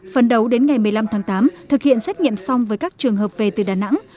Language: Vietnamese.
phần đầu đến ngày một mươi năm tháng tám thực hiện xét nghiệm xong với các trường hợp về từ đà nẵng